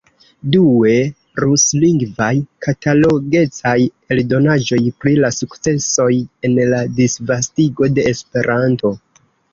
Due, ruslingvaj, katalogecaj eldonaĵoj pri la sukcesoj en la disvastigo de Esperanto.